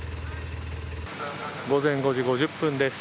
午前５時５０分です。